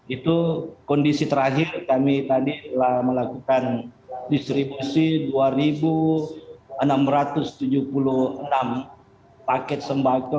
itu kondisi terakhir kami tadi telah melakukan distribusi dua enam ratus tujuh puluh enam paket sembako